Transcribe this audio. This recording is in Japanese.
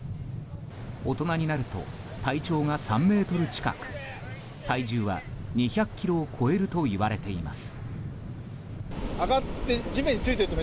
大人になると体長が３ｍ近く体重は２００ｋｇを超えるといわれています。